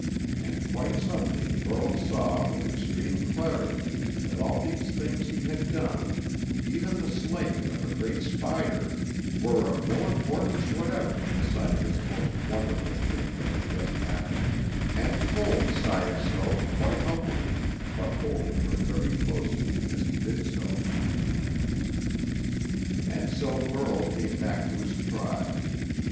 And quite suddenly Burl saw with extreme clarity that all these things he had done, even the slaying of a great spider, were of no importance whatever beside this most wonderful thing that had just happened, and told Saya so quite humbly, but holding her very close to him as he did so. And so Burl came back to his tribe.